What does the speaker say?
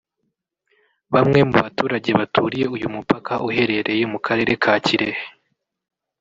Bamwe mu baturage baturiye uyu mupaka uherereye mu karere ka Kirehe